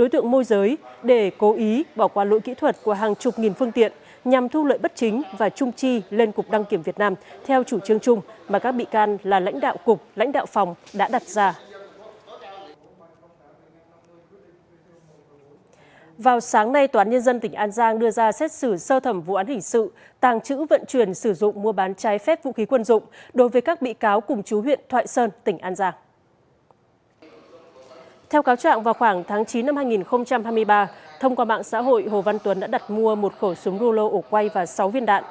tháng chín năm hai nghìn hai mươi ba thông qua mạng xã hội hồ văn tuấn đã đặt mua một khẩu súng rô lô ổ quay và sáu viên đạn